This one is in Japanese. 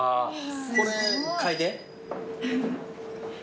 これ嗅いで？